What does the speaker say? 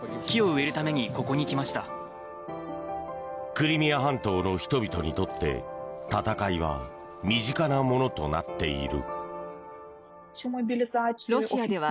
クリミア半島の人々にとって戦いは身近なものとなっている。